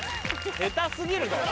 下手過ぎるだろ。